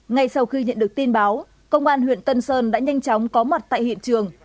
ngay sau khi nhận được tin báo công an huyện tân sơn đã nhanh chóng có mặt tại hiện trường